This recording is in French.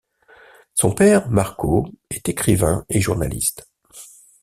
Son père, Marco, est écrivain et journaliste.